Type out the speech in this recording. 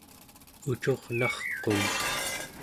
ucurnarqun